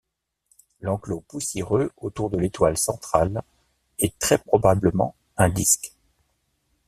L'enclos poussiéreux autour de l'étoile centrale est très probablement un disque.